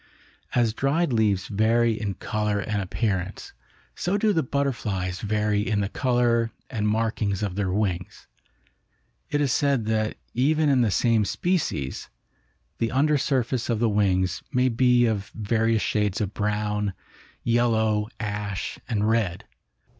As dried leaves vary in color and appearance, so do the butterflies vary in the color and markings of their wings. It is said that even in the same species, the under surface of the wings may be of various shades of brown, yellow, ash and red.